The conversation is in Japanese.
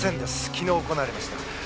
昨日行われました。